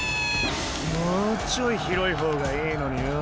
もうちょい広い方がいいのによぉ。